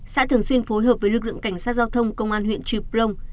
xã thường xuyên phối hợp với lực lượng cảnh sát giao thông công an huyện trịu plông